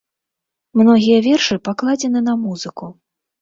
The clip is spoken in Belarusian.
Многія вершы пакладзены на музыку.